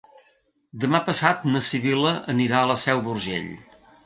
Demà passat na Sibil·la anirà a la Seu d'Urgell.